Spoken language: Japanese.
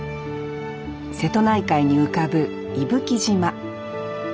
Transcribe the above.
瀬戸内海に浮かぶ伊吹島。